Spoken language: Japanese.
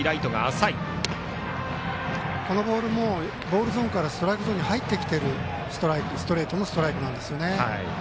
今のボールもボールゾーンからストライクに入ってきているストレートのストライクです。